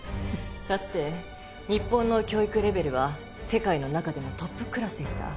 かつて日本の教育レベルは世界の中でもトップクラスでした。